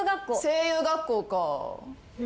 声優学校か。